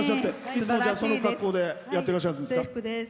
いつもこの格好でやっていらっしゃるんですか？